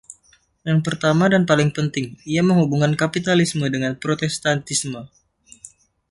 Yang pertama dan paling penting, ia menghubungkan kapitalisme dengan Protestantisme.